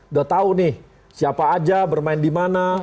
udah tahu nih siapa aja bermain di mana